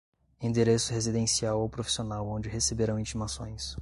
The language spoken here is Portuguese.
endereço residencial ou profissional onde receberão intimações